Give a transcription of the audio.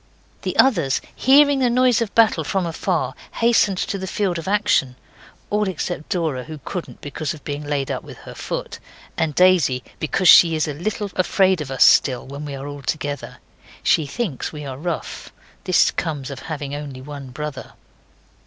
The others, hearing the noise of battle from afar, hastened to the field of action, all except Dora, who couldn't because of being laid up with her foot, and Daisy, because she is a little afraid of us still, when we are all together. She thinks we are rough. This comes of having only one brother.